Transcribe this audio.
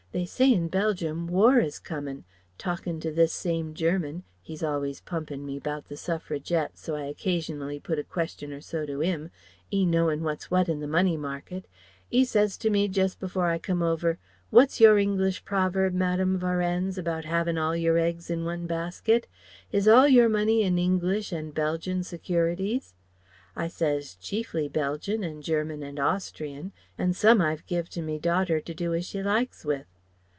They say in Belgium, War is comin'. Talkin' to this same German He's always pumpin' me about the Suffragettes so I occasionally put a question or so to 'im, 'e knowing 'what's, what' in the money market 'e says to me just before I come over, 'What's your English proverb, Madame Varennes, about 'avin' all your eggs in one basket? Is all your money in English and Belgian securities?' I says 'Chiefly Belgian and German and Austrian, and some I've giv' to me daughter to do as she likes with.'